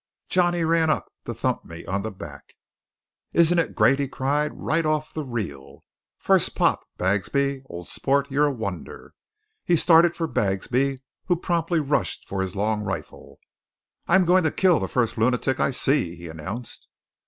Johnny ran up to thump me on the back. "Isn't it great!" he cried. "Right off the reel! First pop! Bagsby, old sport, you're a wonder!" He started for Bagsby, who promptly rushed for his long rifle. "I'm going to kill the first lunatic I see," he announced.